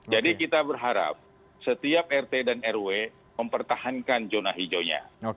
jadi kita berharap setiap rt dan rw mempertahankan jurnal hijaunya